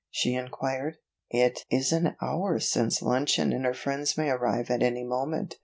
she inquired. "It is an hour since luncheon and her friends may arrive at any moment.